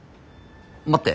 待って。